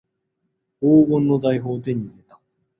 黄金の財宝を手に入れた